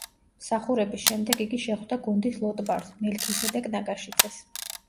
მსახურების შემდეგ იგი შეხვდა გუნდის ლოტბარს, მელქისედეკ ნაკაშიძეს.